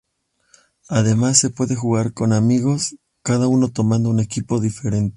Además se puede jugar con amigos, cada uno tomando un equipo diferente.